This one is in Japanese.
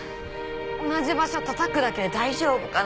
同じ場所たたくだけで大丈夫かな？